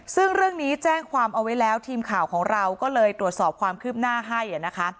ซึ่งเรื่องนี้แจ้งความเอาไว้แล้วทีมข่าวของเราก็เลยตรวจสอบความคืบหน้าให้นะคะ